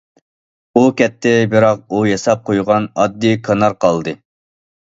ئۇ كەتتى، بىراق ئۇ ياساپ قويغان ئاددىي كانار قالدى.